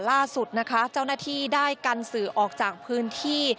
ล่าสุดนะคะเจ้าหน้าที่ได้กันสื่อออกจากพื้นที่